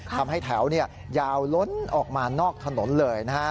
ทำให้แถวยาวล้นออกมานอกถนนเลยนะฮะ